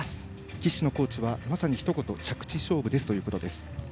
岸のコーチはまさにひと言着地勝負ですということです。